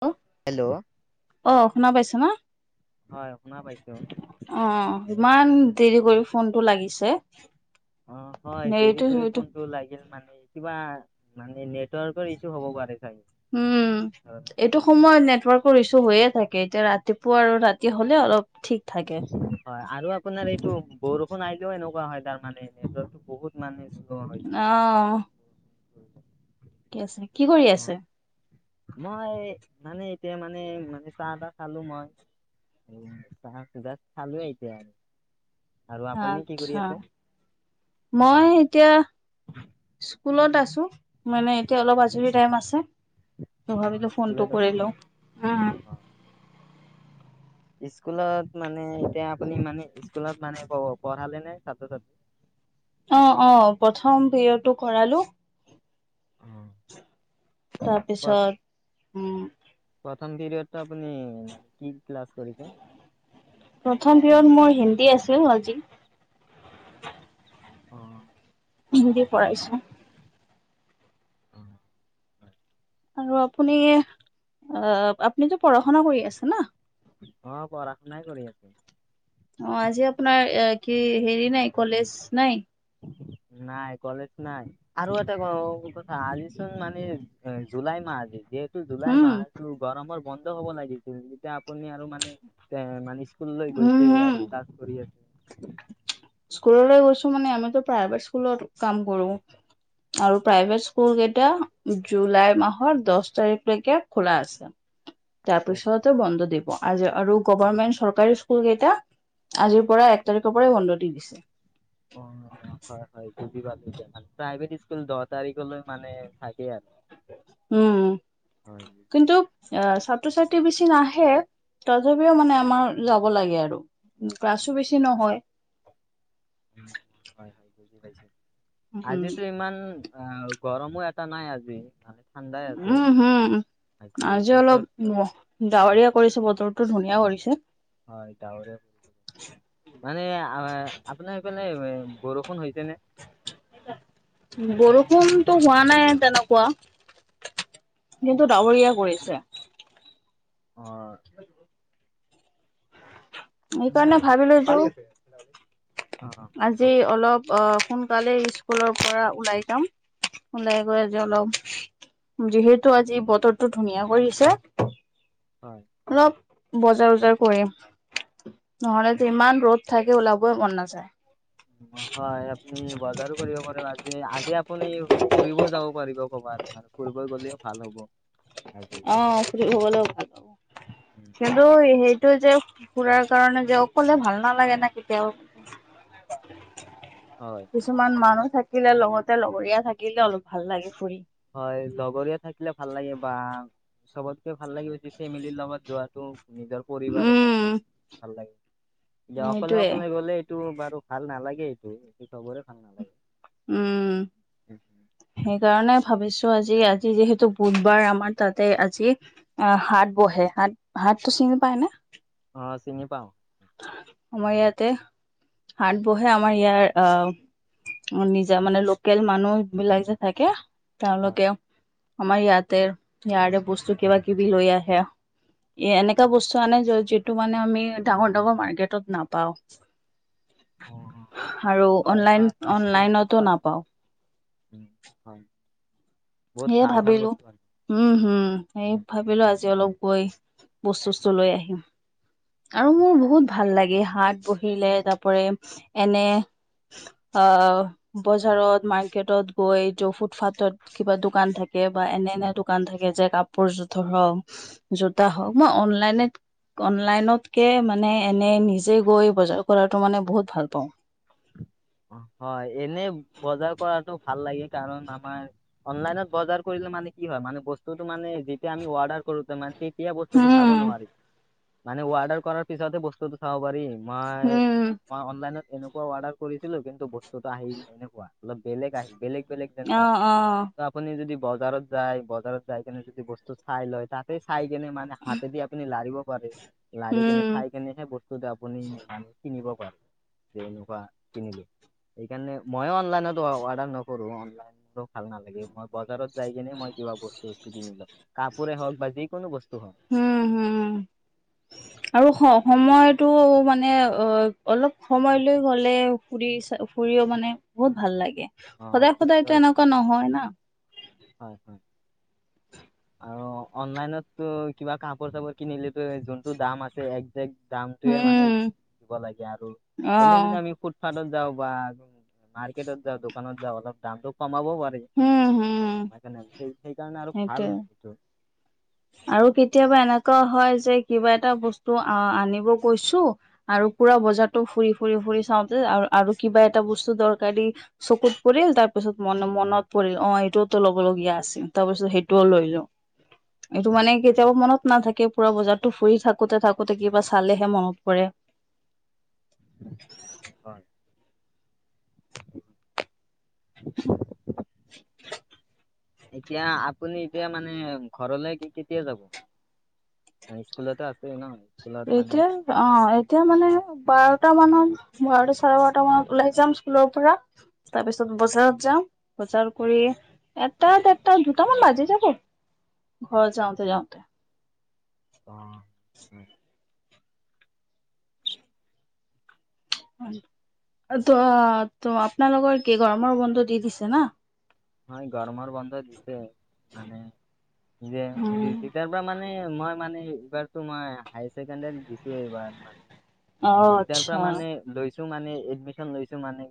Hello hello. অ' শুনা পাইছ না। হয়, শুনা পাইছো। অ ইমান দেৰি কৰি ফোনটো লাগিছে। অ' হয় এইটো দেৰি কৰি এইটো ফোনটো লাগিল মানে। কিবা মানে নেটৱৰ্কৰ ইছ্যু হ'ব পাৰে। চাগে উম, এইটো সময়ত নেটৱৰ্কৰ ইছ টো হৈয়ে থাকে এতিয়া ৰাতিপুৱা আৰু ৰাতি হ'লে অলপ ঠিক থাকে হয় আৰু আপোনাৰ এইটো বৰ নাইযেও এনেকুৱা হয় তাৰ মানে নিজৰো বহুত মানুহ অহ, কি আছে কি কৰি অ আছে। মই মানে এতিয়া মানে-মানে চাহ এটা খালো মই। [unintelligible] আৰু আপুনি কি কৰি আচ্চা আছে মই এতিয়া স্কুলত আছোঁ মানে এতিয়া অলপ আজৰি টাইম আছে। অ ভাবিলো ফোনটো স্কুলত কৰি আছে ন লও, উম। অ অ স্কুলত মানে এতিয়া আপুনি মানে স্কুলত মানে পঢ়ালে নে ছাত্ৰ ছাত্ৰী [inaudible] অ'-অ' প্ৰথম পিৰিয়ডটো কৰালো। অ তাৰপিছত, উম। প্ৰথম পিৰিয়ডটো আপুনি ক্লাছ কৰিছে? প্ৰথম পিৰিয়দ মই হিন কি আছেঅ' আজি অ হিন্দী পঢ়াইছো। অ, হয়। আৰু আপুনি অ, আপুনিতটো পঢ়া শুনা কৰি আছে ন। অ পঢ়া শুনাই কৰি আছো অ, আজি আপোনাৰ এ কি হেৰি নাই কলেজ নাই। [inaudible] নাই কলেজ নাই আৰু এটা কথা আজিচোন মানে জুলাই মাহ আজি। জুলাই উম, মাহটো গৰমৰ বন্ধ হ'ব লাগিছিল যেতিয়া আপুনি আৰু মানে এ মানে স্কুললৈ উম, গৈছে হুম। আৰু ক্লাছ কৰি আছে স্কুললৈ গৈছো মানে আমিতো প্ৰাইভেট স্কুলত কাম কৰো আৰু প্ৰাইভেট স্কুল কেইটা জুলাই মাহৰ দহ তাৰিখলৈকে খোলা আছে অ তাৰপিছত বন্ধ দিব আজি আৰু গভমেন্ট চৰকাৰী স্কুল কেইটা আজিৰ পৰা এক তাৰিখৰ পৰাই বন্ধ দি দিছে। অ হয় হয় পাল এতিয়া প্ৰাইভেট স্কুল দহ তাৰিখলৈ মানে থাকেই আৰু। উম, হয় বুজি কিন্তু পাইছো। আ ছাত্ৰ ছাত্ৰী বেছি নাহে। তথাপিও মানে আমাৰ যাব লাগে আৰু ক্লাছো বেছি নহয় [unintelligible] উম, আজিতো ইমান আ'গৰমো এটা নাই আজি মানে। ঠাণ্ডাই আছে উম উম, আজি অলপ ডাৱৰীয়া কৰিছে বতৰটো ধুনীয়া। স কৰিছে হয় ডাৱৰে, মানে আপোনাৰ সিফালে এএ বৰষুণ হৈছে নে? বৰষুণতো হোৱা নাই তেনেকুৱা কিন্তু ডাৱৰীয়া কৰিছে। অ আমাৰ সেইকাৰণে এইফা ভাবিলো যো অ হয় আজি কওক অলপ অ সোনকালে স্কুলৰ পৰা ওলাই যাম। ওলাই গৈ আজি অলপ যিহেতু আজি বতৰটো ধুনীয়া কৰিছে। হয়। অলপ বজাৰ চজাৰ কৰিম, নহলে যিমান ৰ'দ থাকে ওলাবই মন নাযায়। হয় আপুনি বজাৰো কৰিব পাৰিব আজি। আজি আপুনি ফুৰিব যাব পাৰিব। ক'বা তাৰ ফুৰিব গলেও ভাল হ'ব আজি অ, ফুৰিব গ'লেও ভাল হ'ব উম, কিন্তু এইটো যে খুৰাৰ কাৰণে যে অকলে ভাল নালাগে নেকি তেওঁ। হয় কিছুমান মানুহ থাকিলে লগতে লগৰীয়া থাকিলে অলপ ভাল লাগে ফুৰি। হয় লগৰীয়া থাকিলে ভাল লাগে বা চবতকে ভাল লাগিব যে ফেমিলিৰ লগত যোৱাটো নিজৰ পৰিবাৰৰ লগত ভাল লাগে তে অকলে সেইটোৱে অকলে গলে এইটো বাৰু ভাল নালাগে এইটো এইটো চবৰে ভাল নালাগে উম সেইকাৰণে ভাবিছো আজি আজি যিহেতু বুধবাৰ আমাৰ তাতে আজি অ, হাট বহে হাট হাট টোচি চিনি পায়নে? অ, চিনি পাওঁ। আমাৰ ইয়াতে হাট বহে আমাৰ ইয়াৰ আহ নিজা মানে লোকেল মানুহ বিলাক যে থাকে হয়। তেওঁলোকে আমাৰ ইয়াতে ইয়াৰে বস্তু কিবা কিবি লৈ আহে। এ এনেকুৱা বস্তু আনে যিটো মানে আমি ডাঙৰ ডাঙৰ মাৰ্কেটত নাপাও। আৰু হয়, অনলাইন হয়, হয়, আছে সেনেকুৱা অনলাইনতো আছে নাপাওঁ উম হয়। বহুত সেয়ে ভাল ভাল ভাবিলো বস্তু আছে। উম হম। সেই ভাবিলো আজি অলপ গৈ বস্তু ব্তু লৈ আহিম। আৰু মোৰ বহুত ভাল লাগে হাত বহিলে তাৰপৰে এনে, অ' বজাৰত মাৰ্কেটত গৈ য ফুটপাথত কিবা দোকান থাকে বা এনে এনে দোকান থাকে যে কাপোৰ জোথৰ হওক জোতা হওক বা, অনলাইনেত, অনলাইনতকে মানে এনে নিজে গৈ বজাৰ কৰাতটো মানে বহুত ভাল পাওঁ হয় এনেই বজাৰ কৰাতটো ভাল লাগে কাৰণ আমাৰ অনলাইনত বজাৰ কৰিলে মানে কি হয় মানে বস্তুতটো মানে যেতিয়া আমি অৰ্ডাৰ, কৰো মানে তেতিয়া বস্তুতটো চাব উম, নোৱাৰি মানে ৱৰ্ডাৰ কৰাৰ পিছতহে বস্তুতটো চাব পাৰিম। মই উম, মই অনলাইনত এনেকুৱা অৰ্ডাৰ কৰিছিলো কিন্তু বস্তুতটা আহিল এনেকুৱা, অলপ বেলেগ আহ বেলেগ বেলেগ যেন পায় অ', অ', ত আপুনি যদি, বজাৰত যায় বজাৰত যায় কি যদি বস্তু চাই লয় ততে চাই, কেনে মানে হাতেদি আপুনি লাৰিব পাৰে লাৰি উম, কেনে চাই কিনে সেই বস্তুটো আপুনি মানে কিনিব প যে এনেকুৱা কিনিলো সেইকাৰণে মই অনলাইনত অৰ্ডাৰ নকৰো অনলাইন মোৰো ভাল নালাগে মই বজাৰত যাই কিনে মই, কিবা বস্তু বস্তু কিনিলও কাপোৰে হওক বা যিকোনো বস্তু হওক হম হম আৰু সময়ত, তটো মানে অ অলপ সময় লৈ গ'লে ফুৰি চ ফুৰিও মানে বহুত ভাল লাগে। অ সদায় খুব সদায়তো হয় এনেকুৱা নহয় না হয় হয়। আৰু অনলাইনতো কিবা কাপোৰ চাপোৰ কিনিলেতো যোনতটো দাম আছে এক, যে জামটয়ে মানে উম দিব লাগে আৰু অ এনে যনে আমি ফুটপাথত যাওঁ বা মাৰ্কেটত যাওঁ দোকানত যাওঁ অলপ দামটো কমাবও পাৰি। হম হম সেইকাৰণে আৰু ভাল, সেইটোয়ে এইটো আৰু কেতিয়াবা এনেকুৱা হয় যে কিবা এটা বস্তু আহ আনিব কৈছো আৰু বজ ফু ফু ফু চাতে আৰু কিবা এটা বস্তু দৰকাৰ চকুত পৰিল, তাৰ পিছত ম মনত পৰিল অ এইটোওতো ল'ব লগগীয়া আছিল তাৰ পিছত সেইটোও লৈ লো, উ এইটো মানে কেতিয়াবা মনত নাথাকে পুৰা বজাৰতো ফুৰি থাকোতে থাকোতে কিবা চালেহে মনত পৰে, হয় [inaudible] এতিয়া আপুনি এতিয়া মানে ঘৰলে কি কেতিয়া যাব। ন সকুলতে আছে ন স্কুলত মানে এতিয়া অ' এতিয়া মানে বাৰটা মানত বাৰ চাৰে বাৰটা মানত ওলাই যাম স্কুলৰ পৰা তাৰ পিছত বজাৰত যাম বজাৰ কৰি এটা দেৰটা দুটামান বাজে যাব ঘৰ যাওঁতে যাওঁতে, অ' উ হয় ত ত আপোনালোকৰ কি গৰমৰ বন্ধু দি দিছে না হয় গৰমৰ বন্ধ দিছে উম, মানোৰ পৰা মানে মান মই মানে এইবাৰতো মই হায় ছেকেণ্ডাৰী দিছো এইবাৰ মানে, অ গীতাৰ আচ্ছা পৰা মানে লৈ মানে এডমিশন লৈছো মানে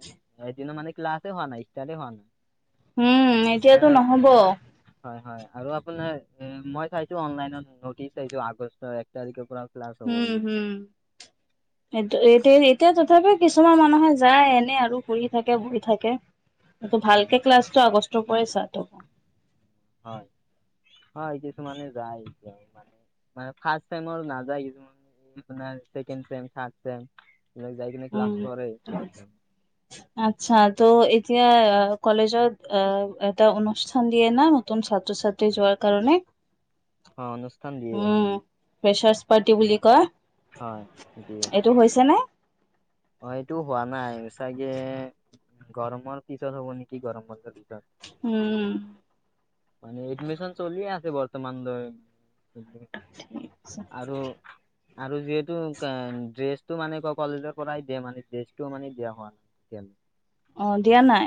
এদিন মানে ক্লাছ হোৱা নাই ষ্টাৰ্ট হোৱা নাই উম এ এতিয়াতো নহব, হয় হয় আৰু আপোনাৰ এ মই চাইছো অনলাইনত নটিচ চাইছো আগষ্টৰ এক তাৰিখৰ পৰা ক্লাছ হ'ব উম বুলি। হমটো এতি এতিয়া তথাপি কিছুমান মানুহে যায় এনে আৰু ঘুৰি থাকে বৈ থাকে। কি উম, ভালকে ক্লাছটো আগষ্টৰ পৰা চাই থকা হয়। হয় কিছুমানে যায় এ মানে ম ফাৰ্ষ টাইম নাযায় কিছুমানে, আপোনাৰছেকেম থাৰ্ডম, উম আচ্ছা ত এতিয়া কলেজত অহ, এটা অনুষ্ঠান দিয়ে না নতুন ছাত্ৰ-ছাত্ৰী যোৱাৰ কাৰণে। অ', অনুষ্ঠান দিয়ে। প্ৰেছছপাৰ্টি বুলি, হয় দ দিয়ে। এইটো হৈছে নে অ' এইটো হোৱা নাই চাগে গৰমৰ পিছত হ'ব নেকি গৰম প পিছ উম মানে এডমিচন চলিয়ে আছে বৰ্তমান ধৰ মান, আৰু আৰু যিহেতু ড্ৰেছটো মানে ক কলেজৰ, পৰাই দিয়ে মানে ডছটোও মানে দিয়া হোৱা নাই তেতিয়া অ' দিয়া নাই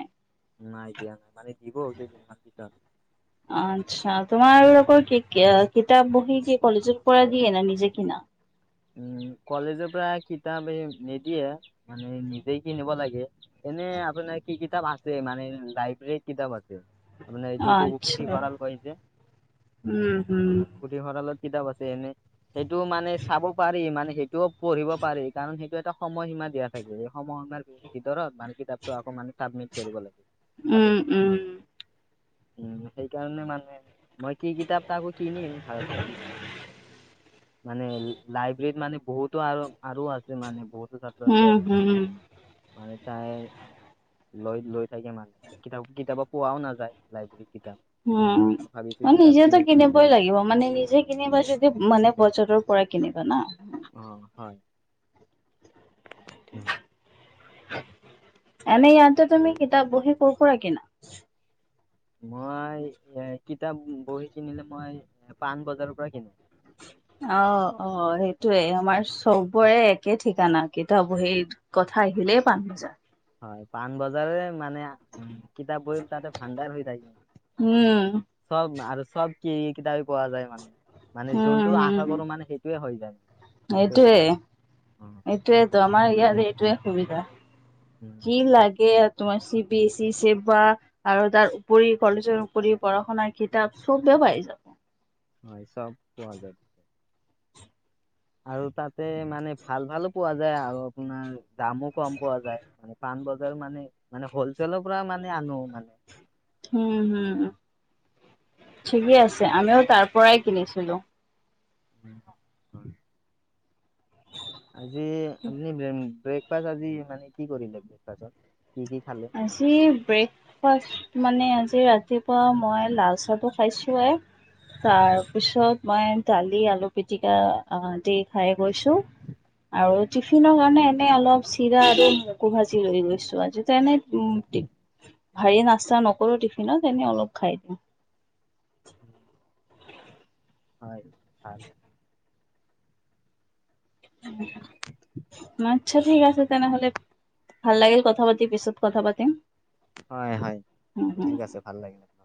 ন ন দিয়া নাই মানে দিব কেইদিনমান পিছত আচ্ছা তোমাৰ ৰৰ কি কি কিতাপ বহি কি কলেজত পঢ়া দিয়ে ন নিজে কিনা? উম কলেজৰ পৰা কিতাপ নিদিয়ে মানে নিজে কিনিব লাগে এনে আপোনাৰ কি কিতাপ আছে মানে লাইব্ৰেৰীৰ কিতাপ আছে। তাৰ মমানে এইটো উপুক্তি আচ্ছা সঁৰাল হৈছে উম উম ভঁৰালত, কিতাপ আছে এনে সেইটো মানে চাব পাৰি মানে সেইটোও পঢ়িব পাৰি কাৰণ সেইটো এটা সময়সীমা দিয়া থাইে এই সময়সীমাৰ ভিতৰত বান কিতাপটো আকৌ মানে চাবিট কৰিব লাগে তা উম থ উম উ সেইকাৰণে মানে, মই কি কিতাপ এ আকৌ কিনিম ভ ভাবিছো মানে লাইব্ৰেৰীত মানে বহুতো আৰু আৰু আছে মানে বহুতো ছাত্ৰ-ছাত্ৰী উম আছে, হম মানে তাই লৈ লৈ থাকে মানুহে কিতাপ কিতয়া পোৱাও নাযায় লাইব্ৰেৰীত কিতাপ উম ম ভাবিছো কিতাপ নিজেতেতো কিনিব কিনিবই লাগিব মানে নিজে কিনিবা যদি মানে বজৰৰ অ' হয়। উম। এনে ইয়তে তুমি কিতাপ-বহী ক'ৰ পৰা কিনা? মই এ কিতাপ-বহী কিনিলে মই পাণবজাৰৰ পৰা কিনো। অ', অ', সেইটোৱে। আমাৰ চবৰে একে ঠিকনা কিতপ-বহী কথ খাই আহিলেই পা বজাৰ। হয়। পাণবজাৰে মানে, উম। কিতাপ-বহী ততে ভাণ্ডাৰ হৈ যায়, উম উম চব আৰু চব কি কিতাপে পোৱা যায় মানে। মানে যোনটো আশা কৰো মানে সেইটোয়ে হৈ যায়। তাতে এইটোৱে, উম এইটোৱেইতো আমাৰ ইয়াৰ এইটোৱে সুবিধা। উম কি হয় লাগে আৰু তোমাৰ C B S E, Seva আৰু তাৰ উপৰি কলেজৰ উপৰি পঢ়া-শুনা কিতাপ চবে পাই যা হয়, চব পোৱা যায়। আৰু তাতে মানে ভাল-ভালো পোৱা যায় আৰু আপোনাৰ দামো কম পোৱা যায়। পাণবজাৰ মানে, মানে হ'লচেলৰ পৰা মানে আনো মানে। উম, হম, উম, ঠিকেই আছে, আমিও তাৰ পৰাই কিনিছিলো। [unintelligible] আজি আপনি ব্ৰক-ব্ৰেকফাষ্ট আজি মানে কি কৰিলে ব্ৰেকফাত? আজি ব্ৰেকফাষ্ট মানে আজি [unintelligible] ৰাতিপুৱা মই লাল চাহটো খাইছোৱেই তাৰপিছত মই দালি, আলু পিতিকা দি খাই গৈছো আৰু টিফিনৰ কাৰণে এনে অলপ চিৰা আৰু মগু ভাজি লৈ গৈছো। আজি তেনে উম, টিফি ভাৰী নাস্তা নকৰো টিফিনত, এনে অলপ খাই দিওঁ। হয় ভাই আচ্ছা ঠিক আছে তেনেহলে ভাল লাগিল কথা বা পিছত কথা পাতিম হয় হয় হম হম ঠিক আছে ভাল লাগিল। আপোনাৰ লগত।